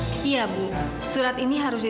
dan ibu yang baikku